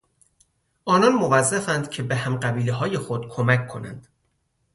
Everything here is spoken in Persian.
آنان موظفاند که به هم قبیلههای خود کمک کنند.